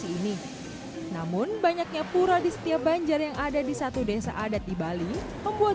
ini namun banyaknya pura di setiap banjar yang ada di satu desa adat di bali membuat